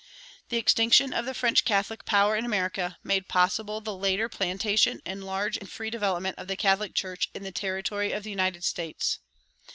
The extinction of the French Catholic power in America made possible the later plantation and large and free development of the Catholic Church in the territory of the United States.